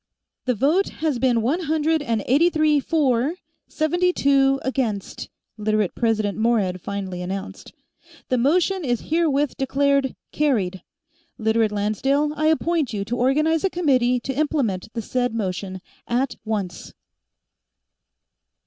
"The vote has been one hundred and eighty three for, seventy two against," Literate President Morehead finally announced. "The motion is herewith declared carried. Literate Lancedale, I appoint you to organize a committee to implement the said motion, at once."